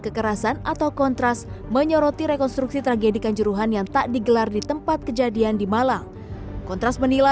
kalau memang polisi dalam rekonstruksi hanya menggambarkan secara sebagian dari peristiwa yang utuh itu ya